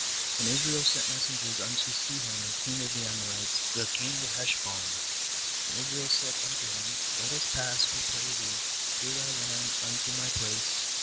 19And Israel sent messengers unto Sihon long of the Amorites, the king of Heshbon; and Israel said unto him: Let us pass, we pray thee, through thy land unto my place.